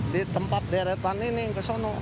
di tempat deretan ini ke sana